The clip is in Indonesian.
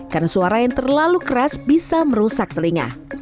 karena suara yang terlalu keras bisa merusak telinga